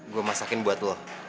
gue masakin buat lo